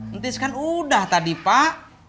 entis kan udah tadi pak